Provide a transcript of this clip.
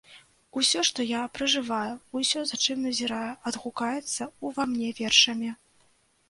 Усё, што я пражываю, усё, за чым назіраю, адгукаецца ўва мне вершамі.